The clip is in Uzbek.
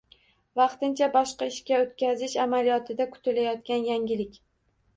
Vaqtincha boshqa ishga o‘tkazish amaliyotida kutilayotgan yangilik.